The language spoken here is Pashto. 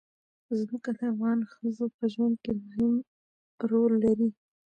ځمکه د افغان ښځو په ژوند کې هم یو رول لري.